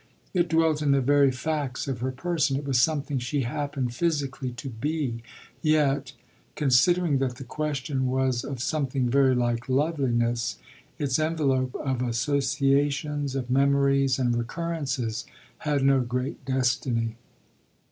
It dwelt in the very facts of her person it was something she happened physically to be; yet considering that the question was of something very like loveliness its envelope of associations, of memories and recurrences, had no great destiny.